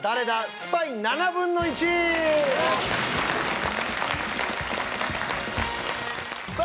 スパイ７分の１！さあ